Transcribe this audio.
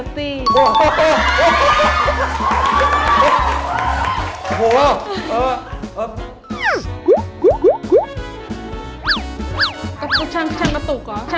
ถึงแชร์เผปตุกหรอ